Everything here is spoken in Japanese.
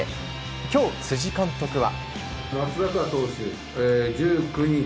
今日、辻監督は。